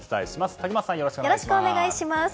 竹俣さん、よろしくお願いします。